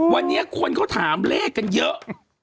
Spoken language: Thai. วันนี้คนเขาถามเลขกันเยอะ